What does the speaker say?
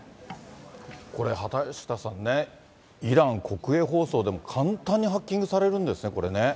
これ、畑下さんね、イラン国営放送でも簡単にハッキングされるんですね、これね。